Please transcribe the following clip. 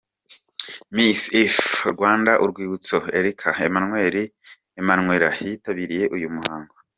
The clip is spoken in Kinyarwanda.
Miss Earth Rwanda Urwibutso Erica Emmanuella yitabiriye uyu muhango.